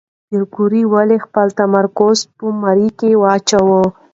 پېیر کوري ولې خپل تمرکز په ماري کې واچاوه؟